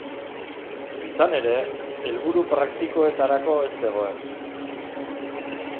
Izan ere, helburu praktikoetarako ez zegoen.